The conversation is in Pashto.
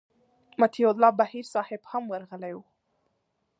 مطیع الله بهیر صاحب هم ورغلی و.